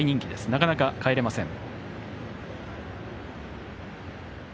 なかなか帰れません。